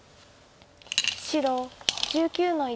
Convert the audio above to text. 白１９の一。